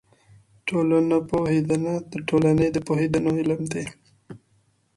ټولنپوهنه د ټولني د پوهېدو علم دی.